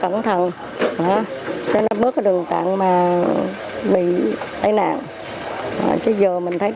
nên cả gia đình